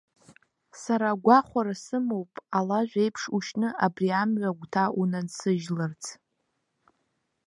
Сара агәахәара сымоуп алажә еиԥш ушьны абри амҩа агәҭа унансыжьларц.